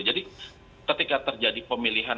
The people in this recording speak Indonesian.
jadi ketika terjadi pemilihan